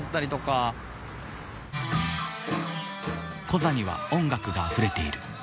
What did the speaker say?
コザには音楽があふれている。